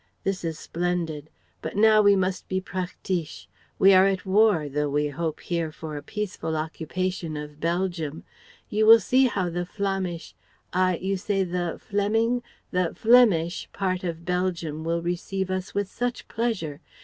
This is splendid. But now we must be praktisch. We are at war, though we hope here for a peaceful occupation of Belgium. You will see how the Flämisch Ah, you say the Fleming? the Flemish part of Belgium will receive us with such pleasure.